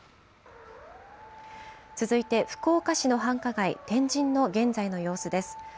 続いて、福岡市の繁華街、天神の現在の様子です。